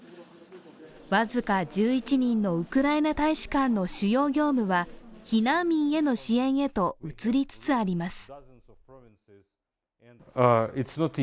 僅か１１人のウクライナ大使館の主要業務は避難民への支援へと移りつつあります。